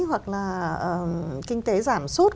hoặc là kinh tế giảm suốt